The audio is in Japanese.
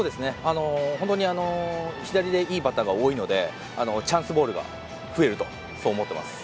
本当に左にいいバッターが多いのでチャンスボールが増えると思っています。